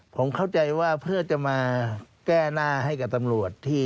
ผมเข้าใจว่าเพื่อจะมาแก้หน้าให้กับตำรวจที่